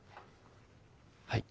はい。